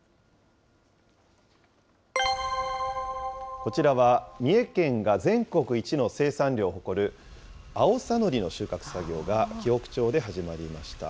こちらは三重県が全国一の生産量を誇る、アオサノリの収穫作業が紀北町で始まりました。